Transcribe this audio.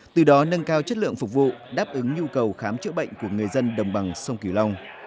từ đó nâng cao chất lượng phục vụ đáp ứng nhu cầu khám chữa bệnh của người dân đồng bằng sông kiều long